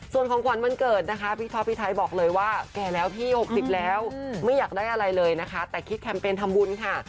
ส่วนของขวัญวันเกิดนะคะพี่ท็อปพี่ไทยบอกเลยว่าแก่แล้วพี่๖๐แล้วไม่อยากได้อะไรเลยนะคะแต่คิดแคมเปญทำบุญค่ะ